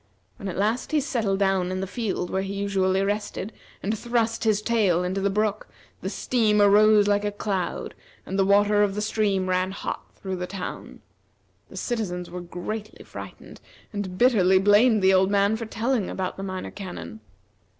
When at last he settled down in the little field where he usually rested, and thrust his tail into the brook, the steam arose like a cloud, and the water of the stream ran hot through the town. The citizens were greatly frightened, and bitterly blamed the old man for telling about the Minor Canon.